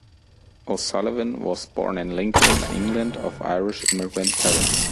O'Sullivan was born in Lincoln, England of Irish immigrant parents.